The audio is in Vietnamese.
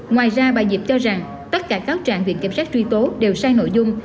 ngoài ra bà diệp cho rằng tất cả cáo trạng viện kiểm sát truy tố đều sai nội dung